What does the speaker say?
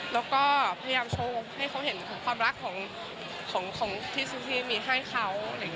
แล้วก็พยายามโชว์ให้เขาเห็นถึงความรักของพี่ซูที่มีให้เขา